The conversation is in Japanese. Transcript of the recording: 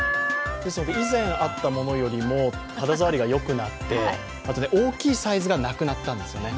以前あったものよりも肌触りがよくなって、あと、大きいサイズがなくなったんですよね